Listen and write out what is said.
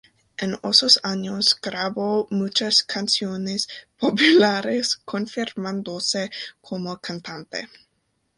En esos años grabó muchas canciones populares, confirmándose como cantante.